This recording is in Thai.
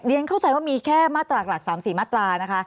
เข้าใจว่ามีแค่มาตราหลัก๓๔มาตรานะคะ